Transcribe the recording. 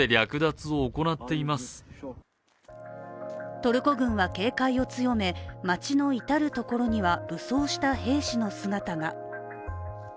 トルコ軍は警戒を強め、街の至る所には武装した兵士の姿が。